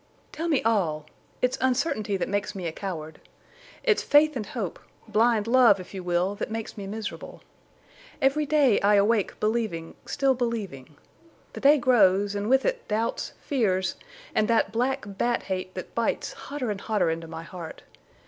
"Tell me all. It's uncertainty that makes me a coward. It's faith and hope—blind love, if you will, that makes me miserable. Every day I awake believing—still believing. The day grows, and with it doubts, fears, and that black bat hate that bites hotter and hotter into my heart.